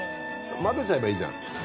まぜちゃえばいいじゃん。